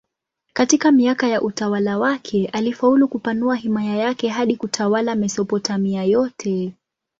Katika miaka ya utawala wake alifaulu kupanua himaya yake hadi kutawala Mesopotamia yote.